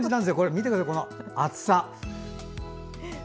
見てください、この厚さ。